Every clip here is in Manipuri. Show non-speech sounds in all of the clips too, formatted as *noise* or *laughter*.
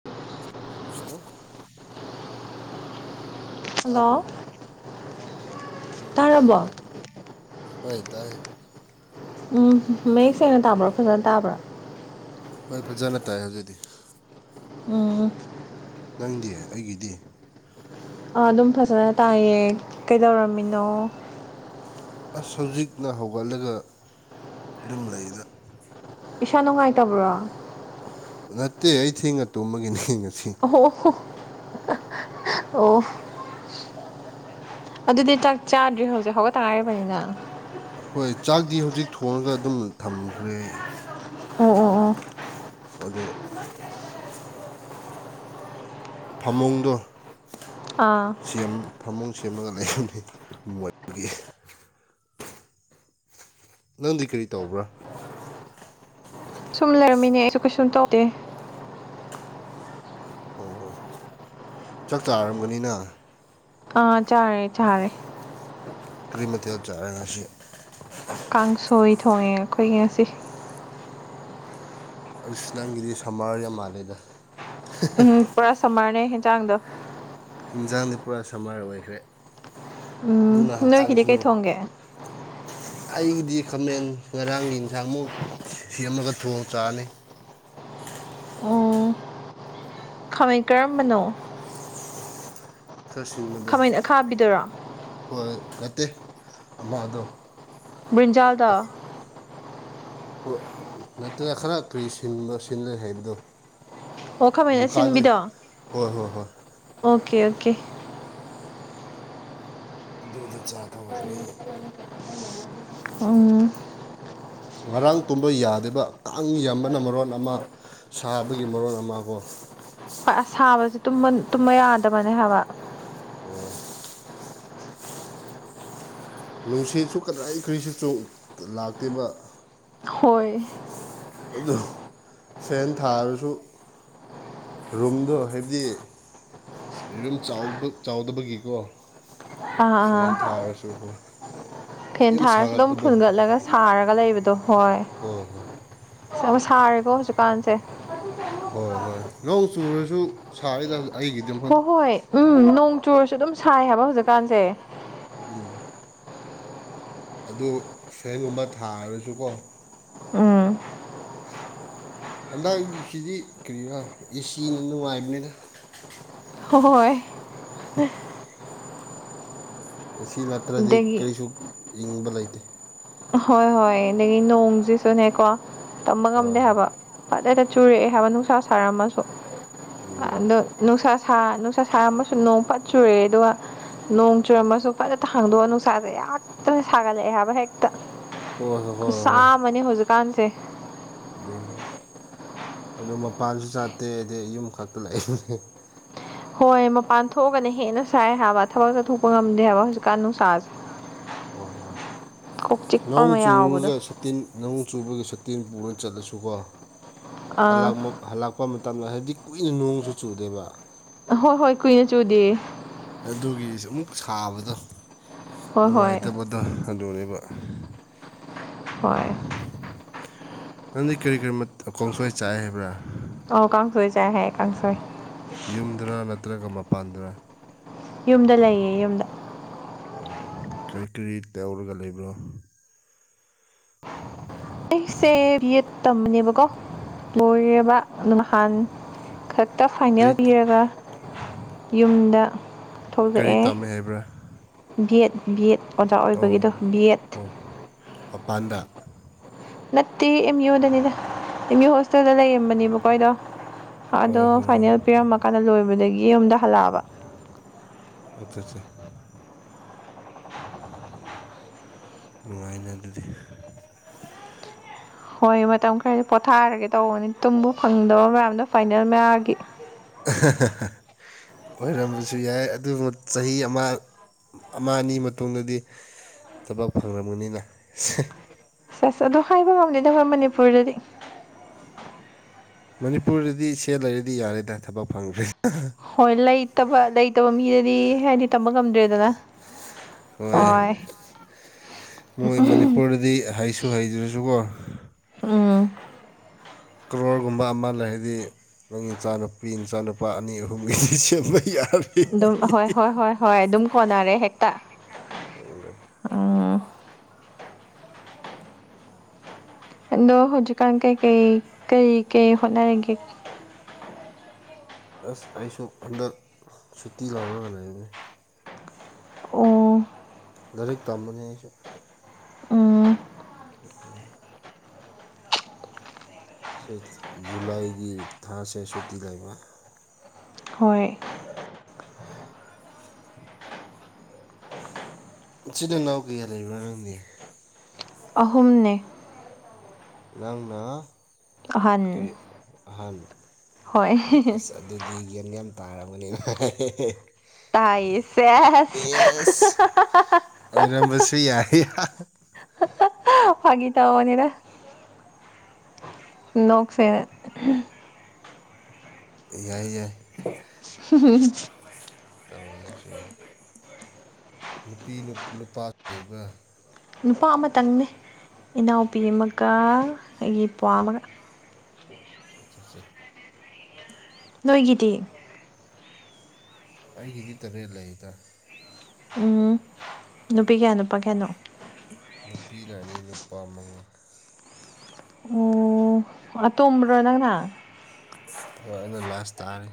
*unintelligible* ꯎꯝ ꯍꯜꯂꯣ ꯍꯜꯂꯣ ꯇꯥꯕ꯭ꯔꯣ ꯎꯝ ꯇꯥꯏ ꯇꯥꯔꯕꯣ ꯇꯥꯏ ꯍꯣꯏ ꯇꯥꯏ ꯎꯝ ꯃꯌꯦꯛ ꯁꯦꯡꯅ ꯇꯥꯕ꯭ꯔꯣ ꯐꯖꯅ ꯇꯥꯕ꯭ꯔꯥ ꯍꯣꯏ ꯐꯖꯅ ꯇꯥꯏ ꯍꯧꯖꯤꯛꯇꯗꯤ ꯎꯝ ꯅꯪꯗꯤ ꯑꯩꯒꯤꯗꯤ ꯑꯗꯨꯝ ꯐꯖꯅ ꯇꯥꯏꯌꯦ ꯀꯩꯗꯧꯔꯝꯃꯤꯅꯣ ꯑꯁ ꯍꯧꯖꯤꯛꯅ ꯍꯧꯒꯠꯂꯒ ꯑꯗꯨꯝ ꯂꯩꯗ ꯏꯁꯥ ꯅꯨꯡꯉꯥꯏꯇꯕ꯭ꯔꯣ ꯅꯠꯇꯦ ꯑꯩ ꯊꯦꯡꯅ ꯇꯨꯝꯕꯒꯤꯅꯤ ꯉꯁꯤ ꯑꯣ *unintelligible* ꯑꯣ ꯑꯗꯨꯗꯤ ꯆꯥꯛ ꯆꯥꯗ꯭ꯔꯤ ꯍꯧꯖꯤꯛ ꯍꯧꯒꯠꯠꯇꯥꯏꯔꯤꯕꯅꯤꯅ ꯍꯣꯏ ꯆꯥꯛꯗꯤ ꯍꯧꯖꯤꯛ ꯊꯣꯡꯉꯒ ꯑꯗꯨꯝ ꯊꯝꯈ꯭ꯔꯦ ꯑꯣ ꯑꯣ ꯑꯣ ꯑꯗꯣ ꯐꯃꯨꯡꯗꯣ ꯑꯥ ꯌꯥꯝ ꯐꯃꯨꯡ ꯁꯦꯝꯃꯒꯅꯦ ꯂꯩꯅꯦ ꯑꯩꯒꯤ ꯅꯪꯗꯤ ꯀꯔꯤ ꯇꯧꯕ꯭ꯔꯥ ꯁꯨꯝ ꯂꯩꯔꯝꯃꯤꯅꯦ ꯑꯩꯁꯨ ꯀꯩꯁꯨꯝ ꯇꯧꯗꯦ ꯑꯣ ꯆꯥꯛꯇꯥꯥꯔꯝꯒꯅꯤꯅ ꯑꯥ ꯆꯥꯔꯦ ꯆꯥꯔꯦ ꯀ꯭ꯔꯤꯃꯇ ꯆꯥꯔꯉꯁꯤ ꯀꯥꯡꯁꯣꯏ ꯊꯣꯡꯉꯦ ꯑꯩꯈꯣꯏ ꯉꯁꯤ ꯑꯗꯨꯁꯨ ꯅꯪꯒꯤꯗꯤ ꯁꯝꯃꯔ ꯌꯥꯝ ꯃꯥꯜꯂꯦꯗ ꯎꯝ ꯄꯨꯔꯥ ꯁꯃꯔꯅꯦ ꯏꯟꯖꯥꯡꯗ ꯍꯤꯟꯖꯥꯡꯗꯤ ꯄꯨꯔꯥ ꯁꯝꯃꯔ ꯑꯣꯏꯈ꯭ꯔꯦ ꯎꯝ ꯑꯗꯨꯅ ꯅꯣꯏꯒꯤꯗꯤ ꯍꯛꯆꯥꯡꯁꯨ ꯀꯩ ꯅꯨꯡ ꯊꯣꯡꯒꯦ ꯑꯩꯒꯤꯗꯤ ꯈꯥꯃꯦꯟ ꯉꯔꯥꯡꯒꯤ ꯏꯟꯁꯥꯡꯃꯨꯛ ꯁꯦꯝꯃꯒ ꯊꯣꯡꯉ ꯆꯥꯔꯅꯤ ꯈꯃꯩ ꯀꯔꯝꯕꯅꯣ ꯈꯔ ꯁꯤꯁꯤꯡꯕꯗꯣ ꯈꯥꯃꯦꯟ ꯑꯈꯥꯕꯤꯗꯨꯔꯣ ꯍꯣꯏ ꯅꯠꯇꯦ ꯑꯃ ꯑꯗꯣ ꯕ꯭ꯟꯖꯜꯗ ꯍꯣꯏ ꯅꯠꯇꯅ ꯈꯔ ꯀꯔꯤ ꯁꯤꯟꯕ ꯁꯤꯟꯂ ꯍꯥꯏꯕꯗꯣ ꯑꯣ ꯀꯃꯥꯏꯅ ꯗꯨꯀꯥꯟꯗꯩ ꯁꯤꯟꯕꯤꯗꯣ ꯍꯣꯏ ꯍꯣꯏ ꯍꯣꯏ ꯑꯣꯀꯦ ꯑꯣꯀꯦ ꯑꯗꯨꯨꯗ ꯆꯥ ꯊꯧꯔꯅꯤ ꯎ ꯉꯔꯥꯡ ꯇꯨꯝꯕ ꯌꯥꯗꯕ ꯀꯥꯡ ꯌꯥꯝꯕꯅ ꯃꯔꯣꯟ ꯑꯃ ꯁꯥꯕꯒꯤ ꯃꯔꯣꯟ ꯑꯃꯕꯨꯣ ꯑ ꯁꯥꯕꯁꯦ ꯇꯨꯝꯕ ꯌꯥꯗꯕꯅꯦ ꯍꯥꯏꯕ ꯑꯣ ꯅꯨꯡꯁꯤꯠꯁꯨ ꯀꯗꯥꯏꯈꯔꯤꯁꯤ ꯂꯥꯛꯇꯕ ꯍꯣꯏ ꯑꯗꯨ ꯐꯦꯟ ꯊꯥꯔꯁꯨ ꯔꯨꯝꯗꯣ ꯍꯥꯏꯕꯗꯤ ꯌꯨꯝ ꯆꯥꯎꯗꯕꯒꯤꯀꯣ ꯑꯥ ꯐꯖꯦꯟ ꯑꯥ ꯊꯥꯔꯁꯨ ꯍ ꯐꯦꯟ ꯊꯥꯔꯁꯨ ꯑꯗꯨꯝ ꯐꯨꯟꯒꯠꯂꯒ ꯁꯥꯔꯒ ꯂꯩꯕꯗꯣ ꯍꯣꯏ ꯑꯃ ꯁꯥꯔꯦꯀꯣ ꯍꯧꯖꯤꯛꯀꯥꯟꯁꯦ ꯍꯣꯏ ꯍꯣꯏ ꯅꯣꯡ ꯆꯨꯔꯁꯨ ꯁꯥꯔꯤꯗ ꯑꯩꯒꯤꯗꯤꯝ ꯍꯣꯏ ꯐꯥꯎꯗꯤꯤ ꯍꯣꯏ ꯎꯝ ꯅꯣꯡ ꯆꯨꯔꯁꯨ ꯑꯗꯨꯝ ꯁꯥꯏ ꯍꯥꯏꯕ ꯍꯧꯖꯤꯛꯀꯥꯟꯁꯦ ꯎꯝ ꯑꯗꯨ ꯁꯦꯟꯒꯨꯝꯕ ꯊꯥꯡ ꯍꯥꯏꯔꯁꯨꯀꯣ ꯎꯝ ꯍꯟꯗꯛ ꯍꯧꯛꯁꯤꯗꯤ ꯀꯔꯤꯅ ꯑꯦꯁꯤꯅ ꯅꯨꯡꯉꯥꯏꯕꯅꯤꯅ ꯍꯣꯏ ꯁꯤ ꯅꯠꯇ꯭ꯔꯗꯤ ꯑꯗꯒꯤ ꯀꯔꯤꯁꯨ ꯏꯪꯕ ꯂꯩꯇꯦ ꯍꯣꯏ ꯍꯣꯏ ꯑꯗꯒꯤ ꯅꯣꯡꯁꯤꯁꯨꯅꯦꯀꯣ ꯇꯝꯕ ꯍꯣꯏ ꯉꯝꯗꯦ ꯍꯥꯏꯕ ꯐꯗꯩꯗ ꯆꯨꯔꯛꯑꯦ ꯍꯥꯏꯕ ꯅꯨꯡꯁꯥ ꯁꯥꯔꯝꯃꯁꯨ ꯎꯝ ꯑꯗꯣ ꯅꯨꯡꯁꯥ ꯁꯥ ꯅꯨꯡꯁꯥ ꯁꯥꯔꯝꯕꯁꯨ ꯅꯣꯡ ꯄꯠ ꯆꯨꯔꯦ ꯑꯗꯨꯒ ꯅꯣꯡ ꯆꯨꯔꯝꯃꯁꯨ ꯐꯖꯇ ꯍꯥꯡꯗꯣꯛꯑ ꯅꯨꯡꯁꯥꯁꯦ ꯌꯥꯝꯛꯇꯅ ꯁꯥꯒꯠꯂꯛꯑꯦ ꯍꯥꯏꯕ ꯍꯦꯛꯇ ꯍꯣꯏ ꯍꯣꯏ ꯍꯣꯏ ꯍꯣꯏ ꯈꯨꯠꯁꯥꯝꯃꯅꯤ ꯍꯧꯖꯤꯛꯀꯥꯟꯁꯦ ꯑꯗꯨꯅ ꯑꯗꯨ ꯃꯄꯥꯟꯁꯨ ꯆꯥꯠꯇꯦ ꯑꯗꯩ ꯌꯨꯝ ꯈꯛꯇ ꯂꯥꯛꯏꯕꯅꯦ ꯍꯣꯏ ꯃꯄꯥꯟ ꯊꯣꯛꯑꯒꯅ ꯍꯦꯟꯅ ꯁꯥꯏ ꯍꯥꯏꯕ ꯊꯕꯛ ꯆꯠꯊꯣꯛꯄ ꯉꯝꯗꯦ ꯍꯥꯏꯕ ꯍꯧꯖꯤꯛꯀꯥꯟ ꯅꯨꯡꯁꯥꯁꯦ ꯍꯣꯏ ꯍꯣꯏ ꯀꯣꯛ ꯆꯤꯛꯄ ꯅꯣꯡ ꯑꯃ ꯌꯥꯎꯕꯗꯣ ꯆꯨꯔꯒ ꯁꯇꯤꯟ ꯅꯉꯨ ꯆꯨꯕꯒꯤ ꯁꯇꯤꯟ ꯄꯨꯅ ꯆꯠꯂꯁꯨꯀꯣ ꯑꯥ ꯍꯂꯛꯃꯛ ꯍꯜꯂꯛꯄ ꯃꯇꯝꯗ ꯍꯥꯏꯕꯗꯤ ꯀꯨꯏꯅ ꯅꯣꯡꯁꯨ ꯆꯨꯗꯦꯕ ꯍꯣꯏ ꯍꯣꯏ ꯀꯨꯏꯅ ꯆꯨꯗꯦ ꯑꯗꯨꯒꯤ ꯑꯃꯨꯛ ꯁꯥꯕꯗꯣ ꯍꯣꯏ ꯍꯣꯏ ꯅꯨꯡꯉꯥꯏꯇꯕꯗꯣ ꯍꯟꯗꯣꯛꯅꯦꯕ ꯍꯣꯏ ꯅꯪꯗꯤ ꯀꯔꯤ ꯀꯔꯤ ꯈꯣꯡꯁꯣꯏ ꯆꯥꯏꯦ ꯍꯥꯏꯕ꯭ꯔꯥ ꯑꯣꯀꯥ ꯆꯣꯏ ꯆꯥꯏ ꯍꯥꯏꯦ ꯑꯦꯀ ꯆꯣꯏ ꯌꯨꯝꯗꯔ ꯅꯠꯇ꯭ꯔꯒ ꯃꯄꯥꯟꯗꯅ ꯌꯨꯝꯗ ꯂꯩꯌꯦ ꯌꯨꯝꯗ ꯑꯣ ꯀꯔꯤ ꯀꯔꯤ ꯇꯧꯔꯒ ꯂꯩꯕ꯭ꯔꯣ *unintelligible* ꯑꯩꯁꯦ ꯕꯤ ꯑꯦꯗ ꯇꯝꯕꯅꯦꯕꯀꯣ ꯂꯣꯏꯔꯕ ꯅ ꯅꯍꯥꯟ ꯈꯛ ꯛꯇ ꯐꯥꯏꯅꯦꯜ ꯀꯔꯤ ꯄꯤꯔꯒ ꯌꯨꯝꯗ ꯀꯔꯤ ꯊꯣꯛꯂꯛꯑꯦ ꯇꯝꯃꯦ ꯍꯥꯏꯕ꯭ꯔꯥ ꯕꯤ ꯑꯦꯠ ꯕꯤ ꯑꯦꯠ ꯑꯣꯖꯥ ꯑꯣ ꯑꯣꯏꯕꯒꯤꯗꯣ ꯕꯤ ꯑꯦꯠ ꯍꯣ ꯃꯄꯥꯟꯗ ꯅꯠꯇꯦ ꯑꯦꯝ ꯌꯨꯗꯅꯤꯗ ꯑꯦꯝ ꯌꯨ ꯍꯣꯁꯇꯦꯜꯗ ꯂꯩꯔꯝꯕꯅꯦꯕꯀꯣ ꯑꯩꯗꯣ ꯑꯗꯣ ꯑꯣ ꯍꯣ ꯐꯥꯏꯅꯦꯜ ꯄꯤꯔꯝꯃꯀꯥꯟꯗ ꯂꯣꯏꯕꯗꯒꯤ ꯌꯨꯝꯗ ꯍꯜꯂꯛꯑꯕ ꯑꯆꯥ ꯑꯠꯆꯥ ꯅꯨꯡꯉꯥꯏꯅ ꯑꯗꯨꯗꯤ ꯍꯣꯏ ꯃꯇꯝ ꯈꯔꯗꯤ ꯄꯣꯊꯥꯔꯒꯦ ꯇꯧꯕꯅꯤ ꯇꯨꯝꯕꯨ ꯐꯪꯗꯕ ꯃꯌꯥꯝꯗꯣ ꯐꯥꯏꯅꯦꯜ ꯃꯌꯥꯝꯒꯤ *unintelligible* ꯑꯣꯏꯔꯝꯕꯁꯨ ꯌꯥꯏ ꯑꯗꯨꯕꯨ ꯆꯍꯤ ꯑꯃ ꯑꯃ ꯑꯅꯤ ꯃꯇꯨꯡꯗꯗꯤ ꯊꯕꯥꯎ ꯐꯪꯒ꯭ꯔ ꯃꯅꯤ ꯂ ꯑ ꯑꯁ ꯑꯗꯨꯣ ꯍꯥꯏꯕ ꯉꯝꯂꯗ ꯑꯩꯈꯣꯏ ꯃꯅꯤꯄꯨꯔꯗꯗꯤ ꯃꯅꯤꯄꯨꯔꯗꯗꯤ ꯁꯦꯠ ꯂꯩꯔꯗꯤ ꯌꯥꯔꯦꯗ ꯊꯕꯛ ꯐꯪꯈ꯭ꯔꯦ ꯍꯣꯏ ꯂꯩꯇꯕ ꯂꯩꯇꯕ ꯃꯤꯗꯗꯤ ꯍꯥꯏꯗꯤ ꯇꯝꯕ ꯉꯝꯗ꯭ꯔꯦꯗꯅ ꯍꯣꯏ ꯃꯣꯏ ꯃꯅꯤꯄꯨꯔꯗꯗꯤ ꯍꯩꯁꯨ ꯍꯩꯇ꯭ꯔꯁꯨꯀꯣ ꯎꯝ ꯀꯣꯔꯒꯨꯝꯕ ꯑꯃ ꯂꯩ ꯍꯥꯏꯗꯤ ꯅꯪ ꯏꯆꯥꯅꯨꯄꯤ ꯏꯆꯥꯅꯨꯄꯥ ꯑꯅꯤ ꯑꯍꯨꯝꯒꯤꯗꯤ ꯁꯦꯝꯕ ꯌꯥꯔꯦ ꯑꯗꯨꯝ ꯍꯣꯏ ꯍꯣꯏ ꯍꯣꯏ ꯍꯣꯏ ꯑꯗꯨꯝ ꯀꯣꯟꯅꯔꯦ ꯍꯦꯛꯇ *unintelligible* ꯑꯝ ꯗꯣ ꯍꯧꯖꯤꯛꯀꯥꯟ ꯀꯩꯀꯩ ꯀꯩ ꯀꯩ ꯍꯣꯠꯅꯔꯒꯦ ꯑꯁ ꯑꯩꯁꯨ ꯍꯟꯗꯛ ꯁꯨꯇꯤ ꯂꯧꯔꯒ ꯂꯩꯒꯒꯅꯤ ꯑꯣ ꯂꯥꯏꯔꯤꯛ ꯇꯝꯕꯅꯤ ꯑꯩꯁꯨ ꯎꯝ ꯑꯗꯨꯒ ꯁ ꯖꯨꯂꯥꯏꯒꯤ ꯊꯥꯁꯦ ꯁꯨꯇꯤ ꯂꯩꯕ ꯍꯣꯏ ꯁꯤꯗ ꯅꯅꯥꯎ ꯀꯌꯥ ꯂꯩꯕ꯭ꯔꯥ ꯅꯪꯅꯦ ꯑꯍꯨꯝꯅꯦ ꯅꯪꯅ ꯑꯍꯟ ꯑꯍꯥꯟ ꯍꯣꯏ ꯑ ꯑꯗꯨꯗꯤ ꯌꯦꯒꯦꯝ ꯌꯥꯝ ꯇꯥꯔꯕꯅꯤꯅ ꯇꯥꯏ ꯁꯦꯁ ꯑꯣꯏꯔꯝꯕꯁꯨ ꯌꯥ ꯐꯒꯤ ꯇꯅꯤꯔ ꯅꯣꯛ ꯐꯦꯔ ꯌꯥꯏ ꯌꯥꯏ ꯎꯝ ꯇ ꯑꯃꯁꯁꯨꯏ ꯅꯨꯄꯤ ꯅꯨꯄꯥ ꯂꯩꯕ ꯅꯨꯄꯥ ꯑꯃꯇꯪꯅꯦ ꯏꯅꯥꯎꯄꯤ ꯑꯃꯒ ꯑꯩꯒꯤ ꯏ ꯄꯨꯋꯥ꯭ꯋꯥ ꯑꯃꯒ ꯑꯆꯥ ꯑꯦ ꯅꯣꯏꯒꯤꯗꯤ ꯑꯩꯒꯤꯗꯤ ꯇꯔꯦꯠ ꯂꯩꯗ ꯎꯝ ꯅꯨꯄꯤ ꯀꯌꯥ ꯅꯨꯄꯥ ꯀꯌꯥꯅꯣ꯫ ꯅꯨꯄꯤꯅ ꯑꯅꯤ ꯅꯨꯄꯥ ꯃꯉꯥ꯫ ꯑ ꯇꯣꯝꯕ꯭ꯔꯣ ꯅꯪꯅ꯫ ꯍꯣꯏ ꯑꯩꯅ ꯂꯥꯁ ꯇꯥꯔꯦ꯫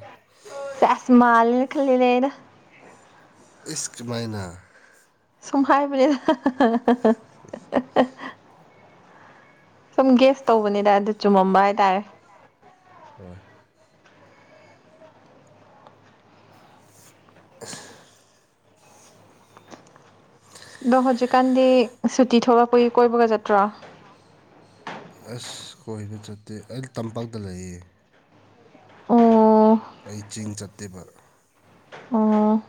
ꯁꯦꯁ ꯃꯥꯜꯂꯦꯅ ꯈꯜꯂꯦꯅꯦ ꯑꯩꯅ꯫ ꯏꯁ ꯀꯃꯥꯢ ꯅꯥ꯫ ꯁꯨꯝ ꯍꯥꯏꯕꯅꯤꯗ꯫ ꯁꯨꯝ ꯒ꯭ꯌꯥꯁ ꯇꯧꯕꯅꯤꯗ ꯑꯗꯨ ꯆꯨꯝꯃꯝꯕ ꯍꯥꯏꯇꯥꯔꯦ꯫ ꯍꯣꯏ꯫ ꯑꯗꯣ ꯍꯧꯖꯤꯛꯀꯥꯟꯗꯤ ꯁꯨꯇꯤ ꯊꯣꯛꯂꯛꯄꯒꯤ ꯀꯣꯏꯕꯒ ꯆꯠꯇ꯭ꯔꯣ꯫ ꯑꯁ ꯀꯣꯏꯕ ꯆꯠꯇꯦ ꯑꯩ ꯇꯝꯄꯥꯛꯇ ꯂꯩꯌꯦ꯫ ꯑꯣ꯫ ꯑꯩ ꯆꯤꯡ ꯆꯠꯇꯦꯕ꯫ ꯑꯣ꯫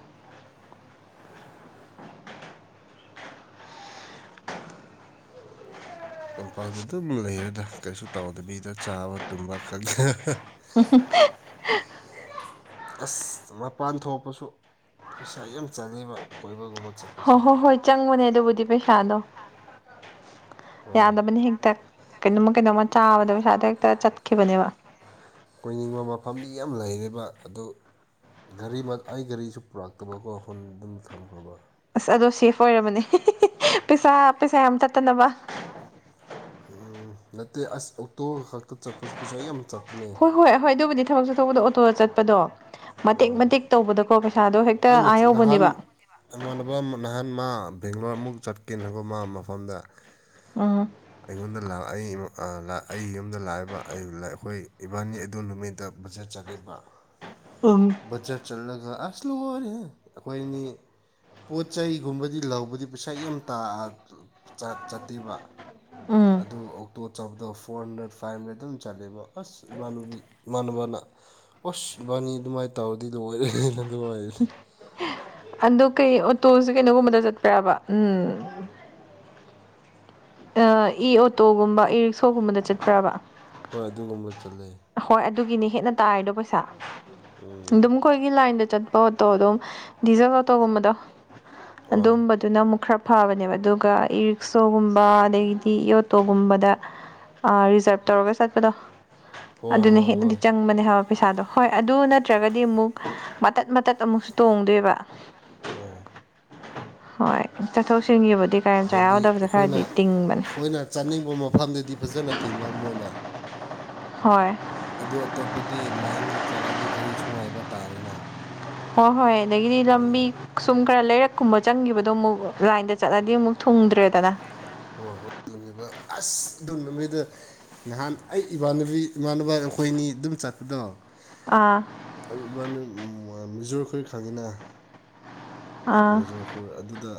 ꯇꯝꯄꯥꯛꯇ ꯑꯗꯨꯝ ꯂꯩꯔꯦꯗ ꯀꯩꯁꯨ ꯇꯥꯎꯗꯕꯤꯗ ꯆꯥꯕ ꯇꯨꯝꯕ ꯈꯛ꯫ ꯍꯨꯝ ꯍꯨꯝ꯫ ꯑꯁ ꯃꯄꯥꯟ ꯊꯣꯛꯄꯁꯨ ꯄꯩꯁꯥ ꯌꯥꯝ ꯆꯥꯡꯑꯦꯕ ꯀꯣꯏꯕꯒꯨꯝꯕ ꯆꯠ꯫ ꯍꯣꯏ ꯍꯣ ꯍꯣꯏ ꯆꯪꯕꯅꯦ ꯑꯗꯨꯕꯨꯗꯤ ꯄꯩꯁꯥꯗꯣ꯫ ꯍꯣꯏ ꯌꯥꯗꯕꯅꯤ ꯍꯦꯛꯇ ꯀꯩꯅꯣꯃ ꯀꯩꯅꯣꯝꯃ ꯆꯥꯕꯗ ꯄꯩꯁꯥꯗꯣ ꯍꯦꯛꯇ ꯆꯠꯈꯤꯕꯅꯦꯕ꯫ ꯀꯣꯏꯅꯤꯡꯕ ꯃꯐꯝꯗꯤ ꯌꯥꯝ ꯂꯩꯔꯦꯕ ꯑꯗꯨ꯫ ꯒꯥꯔꯤ ꯑꯩ ꯒꯥꯔꯤꯁꯨ ꯄꯨꯔꯛꯇꯕꯀꯣ ꯍꯨꯟ ꯑꯗꯨꯝ ꯊꯝꯈ꯭ꯔꯕ꯫ ꯑꯁ ꯑꯗꯣ ꯁꯦꯐ ꯑꯣꯏꯔꯕꯅꯦ ꯄꯩꯁꯥ ꯄꯩꯁꯥ ꯌꯥꯝ ꯇꯠꯇꯅꯕ꯫ ꯎꯝ ꯅꯠꯇꯦ ꯑꯁ ꯑꯣꯇꯣ ꯈꯛꯇ ꯆꯠꯄꯁꯨꯠꯄꯁꯥꯏ ꯌꯥꯝ ꯆꯠꯄꯅꯦ꯫ ꯍꯣꯏ ꯍꯣꯏ ꯑꯗꯨꯕꯨꯗꯤ ꯊꯕꯛ ꯆꯠꯊꯣꯛꯄꯗꯣ ꯑꯣꯇꯣ ꯆꯠꯄꯗꯣ꯫ ꯃꯇꯦꯛ ꯍꯣꯏ ꯃꯇꯦꯛ ꯇꯧꯕꯗꯀꯣ ꯄꯩꯁꯥꯗꯣ ꯍꯦꯛꯇ ꯑꯩꯅ ꯑꯥ ꯅꯍꯥꯟ ꯌꯧꯕꯅꯦꯕ꯫ ꯏꯃꯥꯟꯅꯕ ꯑꯃ ꯅꯍꯥꯟ ꯃꯥ ꯕꯦꯡꯒ꯭ꯂꯂꯣꯔ ꯑꯃꯨꯛ ꯆꯠꯀꯦꯅꯀꯣ ꯃꯥ ꯃꯐꯝꯗ꯫ ꯎꯝ꯫ ꯑꯩꯉꯣꯟꯗ ꯂꯥ ꯑꯩ ꯌꯨꯝꯗ ꯂꯥꯛꯏꯕ ꯑꯩꯈꯣꯏ ꯏꯕꯥꯅꯤ ꯑꯗꯨ ꯅꯨꯃꯤꯠꯇ꯫ ꯕꯖꯦꯠ ꯆꯠꯂꯦꯕ꯫ ꯎꯝ꯫ ꯕꯖꯔ ꯆꯠꯂꯒ ꯑꯁ ꯂꯣꯏꯔꯦꯍꯦ ꯑꯩꯈꯣꯏ ꯑꯅꯤ ꯫ ꯄꯣꯠ ꯆꯩꯒꯨꯝꯕꯗꯤ ꯂꯧꯕꯗꯤ ꯄꯩꯁꯥ ꯌꯥꯝ ꯇꯥ ꯆꯠꯇꯦꯕ꯫ ꯎꯝ ꯑꯗꯨꯝ ꯑꯣꯛꯇꯣ ꯆꯕꯗꯣ ꯐꯣꯔ ꯍꯟꯗ꯭ꯔꯦꯠ ꯐꯥꯏꯚ ꯍꯟꯗ꯭ꯔꯦꯗ ꯑꯗꯨꯝ ꯆꯠꯂꯦꯕ ꯑꯁ꯫ ꯏꯃꯥꯟꯅꯨꯕꯤ ꯏꯃꯥꯟꯅꯕꯅ ꯑꯣꯁ ꯏꯕꯥꯅꯤ ꯑꯗꯨꯃꯥꯏꯅ ꯇꯧꯔꯗꯤ ꯂꯣꯏꯔꯦ *unintelligible* ꯑꯗꯣ ꯀꯩ ꯑꯣꯇꯣꯁꯤ ꯀꯩꯅꯣꯒꯨꯝꯕꯗ ꯆꯠꯄꯔꯕ ꯎꯝ꯫ ꯑ ꯏ ꯑꯣꯇꯣꯒꯨꯝꯕ ꯏ ꯔꯤꯛꯁꯣꯒꯨꯝꯕꯗ ꯆꯠꯄ꯭ꯔꯥꯕ꯫ ꯍꯣꯏ ꯑꯗꯨꯒꯨꯝꯕ ꯆꯥꯠꯂꯦ꯫ ꯍꯣꯏ ꯑꯗꯨꯒꯤꯅꯤ ꯍꯦꯟꯅ ꯇꯥꯔꯤꯗꯣ ꯄꯩꯁꯥ ꯎꯝ ꯑꯗꯨꯝ꯫ ꯑꯩꯈꯣꯏꯒꯤ ꯂꯥꯏꯟꯗ ꯆꯠꯄ ꯑꯣꯇꯣ ꯑꯗꯨꯝ ꯗꯤꯖꯜ ꯑꯣꯇꯣꯒꯨꯝꯕꯗ ꯑꯥ ꯑꯗꯨꯝꯕ꯫ ꯑꯗꯨꯅ ꯑꯃꯨꯛ ꯈꯔ ꯐꯕꯅꯦꯕ ꯑꯗꯨꯒ ꯏ ꯔꯤꯛꯁꯣꯒꯨꯝꯕ ꯑꯗꯒꯤꯗꯤ ꯏ ꯑꯣꯇꯣꯒꯨꯝꯕꯗ꯫ ꯑ ꯔꯤꯖꯥꯔꯞ ꯇꯧꯔꯒ ꯆꯠꯄꯗꯣ ꯍꯣꯏ ꯑꯗꯨꯅ ꯍꯣꯏ ꯍꯦꯟꯅꯗꯤ ꯍꯣꯏ ꯆꯪꯕꯅꯦ ꯍꯥꯏ꯫ ꯄꯩꯁꯥꯗꯣ ꯍꯣꯏ ꯑꯗꯨ ꯅꯠꯇ꯭ꯔꯒꯗꯤ ꯑꯃꯨꯛ ꯃꯇꯠ ꯃꯇꯠ ꯑꯃꯨꯛꯁꯨ ꯇꯣꯡꯗꯣꯏꯕ꯫ ꯍꯣꯏ꯫ ꯍꯣꯏ꯫ ꯆꯠꯊꯣꯛ ꯆꯠꯁꯤꯟꯒꯤꯕꯨꯗꯤ ꯒꯥꯔꯤ ꯍꯥꯏꯕꯗꯤ ꯌꯥꯎꯗꯕꯁꯦ ꯑꯩꯈꯣꯏꯅ ꯈꯔꯗꯤ ꯇꯤꯡꯕꯅꯦ ꯑꯩꯈꯣꯏꯅ ꯆꯠꯅꯤꯡꯕ ꯃꯐꯝꯗꯗꯤ꯫ ꯐꯖꯅ ꯊꯤꯟꯕ ꯃꯣꯏꯅ꯫ ꯍꯣꯏ꯫ ꯑꯗꯨ ꯑꯇꯣꯞꯄꯗꯤ ꯂꯥꯏꯟꯒ ꯆꯠꯂꯗꯤ ꯒꯔꯤꯁꯨ ꯉꯥꯏꯕ ꯇꯥꯔꯦꯅ꯫ ꯍꯣꯏ ꯍꯣꯏ ꯑꯗꯒꯤꯗꯤ ꯂꯝꯕꯤ꯫ ꯑꯗꯨꯅ ꯁꯨꯝ ꯈꯔ ꯂꯩꯔꯛꯀꯨꯝꯕ ꯆꯪꯈꯤꯕꯗꯣ ꯑꯃꯨꯛ ꯂꯥꯏꯟꯗ ꯆꯠꯂꯗꯤ ꯑꯃꯨꯛ ꯊꯨꯡꯗ꯭ꯔꯦꯗꯅ꯫ ꯍꯣꯏ ꯍꯣꯏꯃꯤꯕ ꯑꯁ ꯑꯗꯨꯝ ꯅꯃꯤꯗ ꯅꯍꯥꯟ ꯑꯩ ꯏꯃꯥꯟꯅꯕꯤ ꯏꯃꯥꯟꯅꯕ ꯑꯩꯈꯣꯏꯅꯤ ꯑꯗꯨꯝ ꯆꯠꯄꯗꯣ ꯑꯥ ꯏꯃꯅ ꯃꯤꯖꯣꯔ ꯈꯣꯏ ꯈꯪꯉꯤꯅ ꯑꯥ ꯃꯦꯖꯣꯄꯨꯔ ꯑꯗꯨꯗ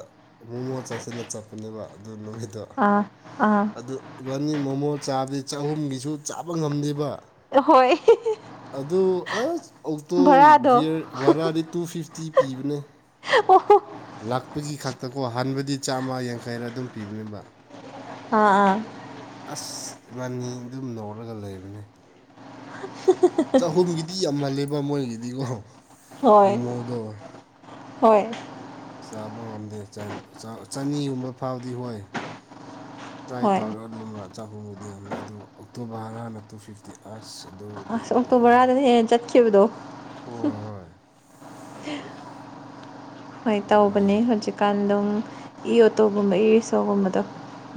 ꯑꯃꯨ ꯃꯣ ꯆꯥꯁꯤꯟꯅ ꯆꯠꯄꯅꯦꯕ ꯑꯗꯨ ꯅꯨꯃꯤꯠꯇꯣ ꯑꯥ ꯑꯥ ꯏꯕꯥꯟꯅꯤ ꯃꯣꯃꯣ ꯆꯥꯕꯗꯤ ꯆꯍꯨꯝꯒꯤꯁꯨ ꯆꯥꯕ ꯉꯝꯗꯦꯕ ꯍꯣꯏ ꯑꯗꯨ ꯑꯁ ꯑꯣꯛꯇꯣ ꯚꯔꯥꯗꯣ ꯋꯤꯌꯔ ꯚꯔꯥꯗꯤ ꯇꯨ ꯐꯤꯐꯇꯤ ꯄꯤꯕꯅꯦ ꯑꯣ ꯂꯥꯛꯄꯒꯤ ꯈꯛꯇꯀꯣ ꯍꯥꯟꯕꯗꯤ ꯆꯥꯝꯃ ꯌꯥꯡꯈꯩꯔ ꯑꯗꯨꯝ ꯄꯤꯕꯅꯦꯕ ꯑꯥ ꯑꯥ ꯑꯁ ꯏꯕꯥꯅꯤ ꯑꯗꯨꯝ ꯅꯧꯔꯒ ꯂꯩꯕꯅꯦ ꯆꯍꯨꯝꯒꯤ ꯅꯨꯄꯤ ꯑꯃꯜꯂꯦꯕ ꯃꯣꯏꯒꯤꯗꯤꯀꯣꯍ ꯍꯣꯏ ꯍꯣꯏ ꯆꯥꯕ ꯉꯝꯗꯦ ꯆꯅꯤꯒꯨꯝꯕ ꯐꯥꯎꯗꯤ ꯍꯣꯏ ꯇ꯭ꯔꯥꯏ ꯍꯣꯏ ꯇꯧꯔꯒ ꯂꯨꯝꯅ ꯆꯥꯛꯍꯣꯡꯕꯨꯗꯤ ꯌꯥꯝ ꯂꯩꯦ ꯑꯗꯨ ꯑꯣꯛꯇꯣꯕꯔ ꯍꯔꯅꯛꯇꯨ ꯐꯤꯐ ꯗꯤ ꯑꯁ ꯑꯗꯨꯗꯤ ꯑꯁ ꯑꯣꯛꯇꯣ ꯂꯣꯏꯔꯦ ꯕꯔꯥꯗꯅ ꯍꯦꯟꯅ ꯆꯠꯈꯤꯕꯗꯣ ꯍꯣꯏ ꯍꯣꯏ ꯍꯣꯏ ꯇꯧꯕꯅꯦ ꯂꯣꯏꯔꯦ ꯍꯧꯖꯤꯛ ꯀꯥꯟ ꯑꯗꯨꯝ ꯏ ꯑꯣꯇꯣꯒꯨꯝꯕ ꯏ ꯔꯤꯛꯁꯣꯒꯨꯝꯕꯗꯣ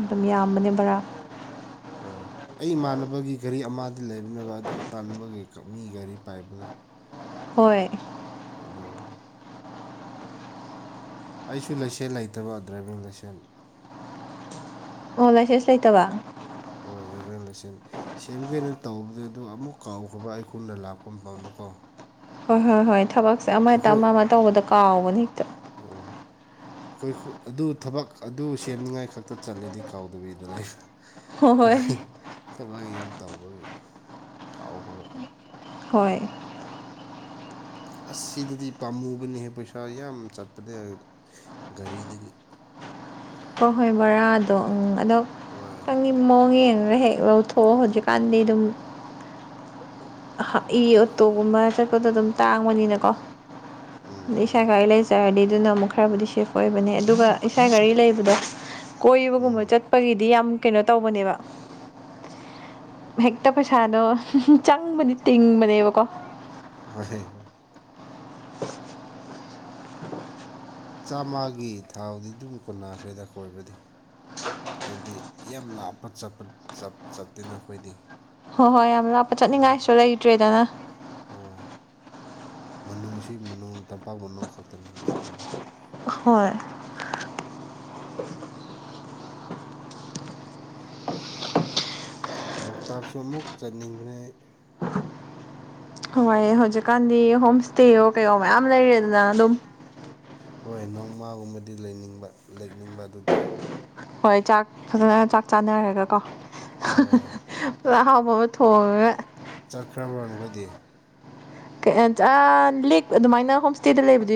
ꯑꯗꯨꯝ ꯌꯥꯝꯕꯅꯦ ꯕꯔꯥ ꯍꯣꯏ ꯑꯩ ꯏꯃꯥꯟꯅꯕꯒꯤ ꯒꯥꯔꯤ ꯑꯃꯗꯤ ꯂꯩꯕꯅꯕ ꯑꯣ ꯇꯥꯟꯕꯒꯤ ꯃꯤ ꯒꯥꯔꯤ ꯄꯥꯏꯕꯗꯣ ꯍꯣꯏ ꯀꯗꯧ ꯑꯩꯁꯨ ꯂꯩꯁꯦꯟ ꯂꯩꯇꯕ ꯗ꯭ꯔꯥꯏꯚꯡ ꯂꯥꯏꯁꯦꯟ ꯑꯣ ꯂꯥꯏꯁꯦꯟꯁ ꯂꯩꯇꯕ ꯑꯣꯏꯗꯕꯆꯟ ꯁꯦꯝꯒꯦꯅ ꯇꯧꯕꯗ ꯑꯗꯨ ꯑꯃꯨꯛ ꯀꯥꯎꯈ꯭ꯔꯕ ꯑꯩꯈꯣꯏꯅ ꯂꯥꯛꯄ ꯃꯇꯝꯗ ꯀꯣ ꯍꯣꯏ ꯍꯣꯏ ꯍꯣꯏ ꯊꯕꯛꯁꯦ ꯑꯃꯦꯛꯇ ꯑꯃ ꯑꯃ ꯇꯧꯕꯗ ꯀꯥꯎꯕꯅꯦ ꯍꯦꯛꯇ ꯑꯣ ꯍꯣꯏ ꯑꯗꯨ ꯊꯕꯛ ꯑꯗꯨ ꯁꯦꯝꯅꯤꯡꯉꯥꯏ ꯈꯛꯇ ꯆꯠꯂꯦꯗꯤ ꯀꯥꯎꯗꯕꯤꯗ ꯂꯩꯕ꯭ꯔꯥ ꯍꯣꯏ ꯍꯣꯏ ꯑꯩꯈꯣꯏ ꯊꯕꯛꯒꯤ ꯌꯥꯝ ꯇꯥꯎꯕꯒꯤ ꯀꯥꯎꯈ ꯍꯣꯏ ꯑꯁ ꯁꯤꯗꯗꯤ ꯄꯥꯝꯃꯨꯕꯅꯤꯍ ꯄꯩꯁꯥ ꯌꯥꯝ ꯆꯠꯄꯅꯦ ꯒꯥꯔꯤꯗꯒꯤ ꯍꯣꯏ ꯍꯣꯏ ꯕꯣꯔꯥꯗꯣ ꯎꯝ ꯍꯣꯏ ꯑꯗꯣꯪ ꯃꯑꯣꯡ ꯌꯦꯡꯉꯒ ꯍꯦꯛ ꯂꯧꯊꯣꯛꯑꯣ ꯍꯧꯖꯤꯛꯀꯥꯟꯗꯤ ꯑꯗꯨꯝ ꯏ ꯑꯣꯇꯣꯒꯨꯝꯕ ꯆꯠꯄꯗꯣ ꯑꯗꯨꯝ ꯇꯥꯡꯕꯅꯤꯅꯀꯣ ꯎꯝ ꯑ ꯎꯝ ꯏꯁꯥ ꯒꯥꯔꯤ ꯂꯩꯖꯔꯗꯤ ꯑꯗꯨꯅ ꯑꯃꯨꯛ ꯈꯔꯕꯨꯗꯤ ꯁꯦꯐ ꯑꯣꯏꯕꯅꯦ ꯑꯗꯨꯒ ꯏꯁꯥ ꯘꯔꯤ ꯂꯩꯕꯗꯣ ꯀꯣꯏꯕꯒꯨꯝꯕ ꯎꯝ ꯆꯠ ꯒꯤꯗꯤ ꯌꯥꯝ ꯀꯩꯅꯣ ꯇꯧꯕꯅꯦꯕ ꯍꯦꯛꯇ ꯄꯩꯁꯥꯗꯣ ꯆ ꯇꯤꯡꯕꯗꯤ ꯇꯤꯡꯕꯅꯦꯕꯀꯣ ꯍꯣꯏ ꯍꯣꯏ ꯆꯥꯝꯃꯒꯤ ꯊꯥꯎꯗꯤ ꯑꯗꯨꯝ ꯀꯨꯟꯅꯥꯈ꯭ꯔꯦꯗ ꯀꯣꯏꯕꯅꯤ ꯍꯥꯏꯕꯗꯤ ꯌꯥꯝ ꯂꯥꯞꯄ ꯆꯠꯄ ꯆꯠꯇꯦꯅ ꯑꯩꯈꯣꯏꯗꯤ ꯍꯣꯏ ꯍꯣꯏ ꯌꯥꯝ ꯂꯥꯞꯄ ꯆꯠꯅꯤꯡꯉꯥꯏꯁꯨ ꯂꯩꯇ꯭ꯔꯦꯗꯅ ꯍꯣꯏ ꯃꯅꯨꯡꯁꯤ ꯃꯅꯨꯡ ꯇꯝꯄꯥꯛ ꯃꯅꯨꯡ ꯈꯛꯇꯅꯦꯕ ꯑꯗꯨꯅꯤ ꯍꯣꯏ ꯂꯣꯛꯇꯥꯛꯁꯨ ꯑꯃꯨꯛ ꯆꯠꯅꯤꯡꯕꯦ ꯍꯣꯏ ꯍꯧꯖꯤꯛꯀꯥꯟꯗꯤ ꯍꯣꯝ ꯏꯁꯇꯦꯣ ꯀꯩꯣ ꯃꯌꯥꯝ ꯂꯩꯔꯦꯗꯅ ꯑꯗꯨꯝ ꯍꯣꯏ ꯅꯣꯡꯃꯒꯨꯝꯕꯗꯤ ꯂꯩꯅꯤꯡꯕ ꯂꯦꯛꯅꯤꯡꯕ ꯑꯗꯨꯗ ꯍꯣꯏ ꯆꯥꯛ ꯐꯖꯅ ꯆꯥꯛ ꯆꯥꯅꯔꯒ ꯀꯣ ꯍꯣꯏ ꯄꯨꯥꯛꯍꯥꯎꯕ ꯑꯃ ꯊꯣꯡꯉꯒ ꯆꯠꯈ꯭ꯔꯕꯣ ꯑꯩꯈꯣꯏꯗꯤ ꯂ ꯑꯗꯨꯃꯥꯏꯅ ꯍꯣꯝꯁꯇꯦꯗ ꯂꯩꯕꯗꯨ